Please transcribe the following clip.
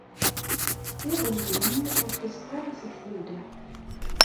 Iḍ izrin ur ṭṭiseɣ ara seg tawla.